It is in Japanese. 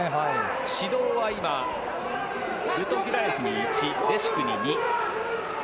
指導は今ルトフィラエフに１レシュクに２。